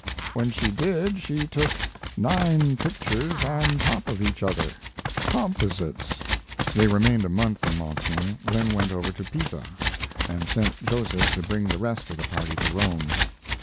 When she did she took nine pictures on top of each other composites. They remained a month in Mentone, then went over to Pisa, and sent Joseph to bring the rest of the party to Rome.